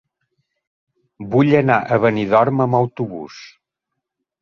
Vull anar a Benidorm amb autobús.